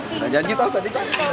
sudah janji tau tadi kan